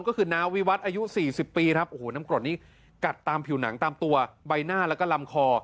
ก็คือน้าวิวัตรอายุ๔๐ปีครับโอ้โหน้ำกรดนี้กัดตามผิวหนังตามตัวใบหน้าแล้วก็ลำคอ